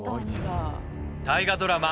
大河ドラマ